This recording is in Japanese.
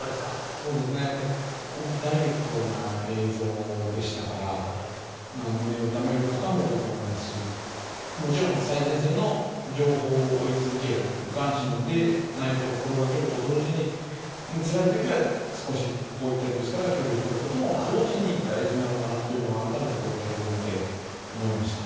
そうですね、やっぱり本当にダイレクトな映像でしたから、胸を痛める方も多いと思いますし、もちろん、最前線の情報を追い続ける、無関心でないことを心がけると同時に、つらいときは少し、こういったニュースから距離を取ることも、同時に大事なのかなというのを、改めてこういった映像を見て、思いました。